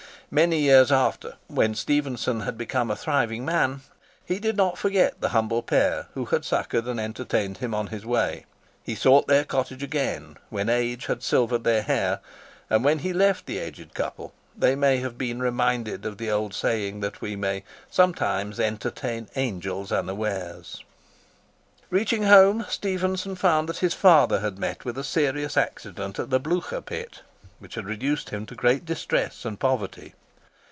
Many years after, when Stephenson had become a thriving man, he did not forget the humble pair who had succoured and entertained him on his way; he sought their cottage again, when age had silvered their hair; and when he left the aged couple, they may have been reminded of the old saying that we may sometimes "entertain angels unawares." Reaching home, Stephenson found that his father had met with a serious accident at the Blucher Pit, which had reduced him to great distress and poverty.